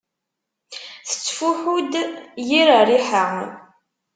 Tettfuḥu-d yir rriḥa.